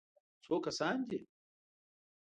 _څو کسان دي؟